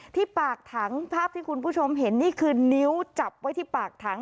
ที่ปากถังภาพที่คุณผู้ชมเห็นนี่คือนิ้วจับไว้ที่ปากถัง